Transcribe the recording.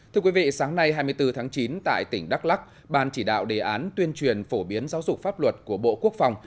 thưa quý vị sáng nay hai mươi bốn tháng chín tại tỉnh đắk lắc ban chỉ đạo đề án tuyên truyền phổ biến giáo dục pháp luật của bộ quốc phòng